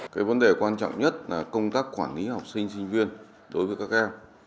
cái vấn đề quan trọng nhất là công tác quản lý học sinh sinh viên đối với các em